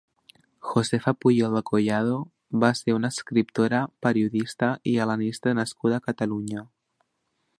Josefa Pujol de Collado va ser una escriptora, periodista i hel·lenista nascuda a Catalunya.